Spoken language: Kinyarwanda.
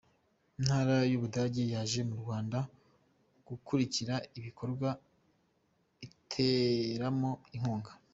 Intara y’u Budage yaje mu Rwanda gukurikira ibikorwa iteramo inkunga